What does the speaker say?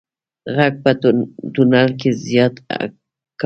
غږ په تونل کې زیات اکو کوي.